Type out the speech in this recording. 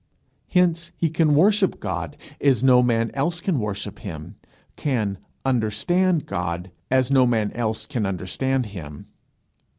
Hence he can worship God as no man else can worship him, can understand God as no man else can understand him.